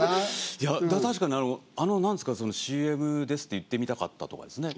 いや確かに何ですか「ＣＭです」って言ってみたかったとかですね